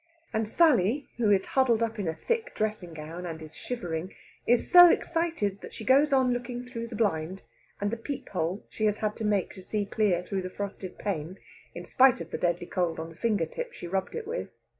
And Sally, who is huddled up in a thick dressing gown and is shivering, is so excited that she goes on looking through the blind, and the peep hole she has had to make to see clear through the frosted pane, in spite of the deadly cold on the finger tip she rubbed it with.